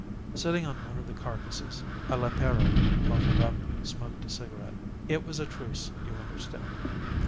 Sitting on one of the carcasses, a lepero, muffled up, smoked a cigarette. It was a truce, you understand.